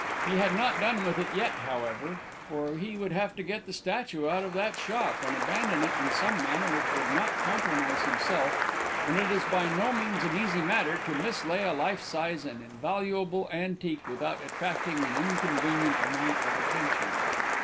He had not done with it yet, however; for he would have to get the statue out of that shop, and abandon it in some manner which would not compromise himself, and it is by no means an easy matter to mislay a life size and invaluable antique without attracting an inconvenient amount of attention.